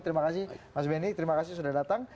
terima kasih mas benny terima kasih sudah datang